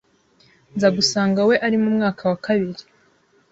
nza gusanga we ari mu mwaka wa kabiri